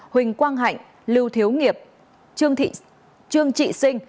huỳnh quang hạnh lưu thiếu nghiệp trương trị sinh